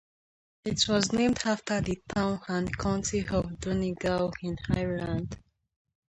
It was named after the town and county of Donegal in Ireland.